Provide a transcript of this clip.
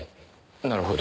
なるほど。